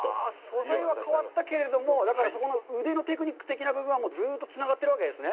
素材は変わったけれども、だから、腕のテクニック的な部分はずっとつながってるわけですね。